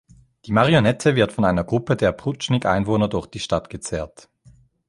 Die Marionette wird von einer Gruppe der Pruchnik-Einwohner durch die Stadt gezerrt.